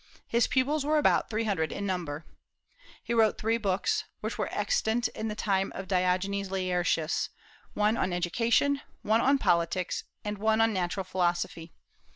His pupils were about three hundred in number. He wrote three books, which were extant in the time of Diogenes Laertius, one on Education, one on Politics, and one on Natural Philosophy.